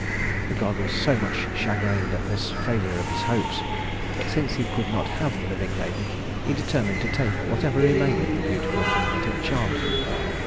The god was much chagrined at the failure of his hopes; but since he could not have the living maiden, he determined to take whatever remained of the beautiful thing that had charmed him.